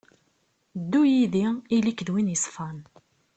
Ddu yid-i, ili-k d win yeṣfan.